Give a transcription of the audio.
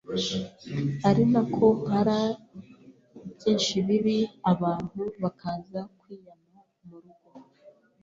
ari nako nkara byinshi bibi abantu bakaza kwiyama mu rugo,